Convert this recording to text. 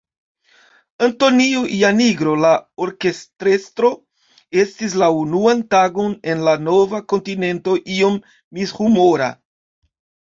Antonio Janigro, la orkestrestro, estis la unuan tagon en la nova kontinento iom mishumora.